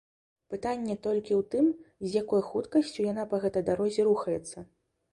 Пытанне толькі ў тым, з якой хуткасцю яна па гэтай дарозе рухаецца.